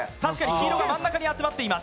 黄色が真ん中に集まっています。